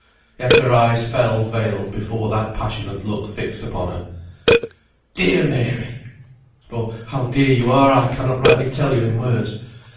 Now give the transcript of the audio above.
Yet her eyes fell veiled before that passionate look fixed upon her. "Dear Mary! (for how dear you are, I cannot rightly tell you in words).